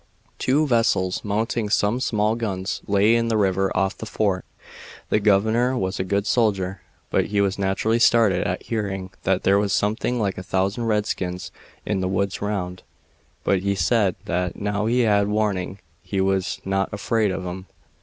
Two vessels, mounting some small guns, lay in the river off the fort. The governor was a good soldier, but he was naturally startled at hearing that there was something like a thousand redskins in the woods round; but he said that now he had warning he was not afraid of 'em.